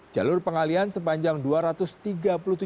jalur pengalian sepanjang dua ratus meter